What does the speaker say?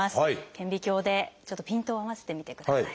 顕微鏡でちょっとピントを合わせてみてください。